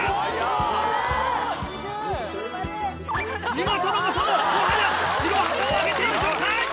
地元の猛者ももはや白旗をあげている状態！